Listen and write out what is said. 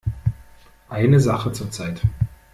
Eine Sache zur Zeit.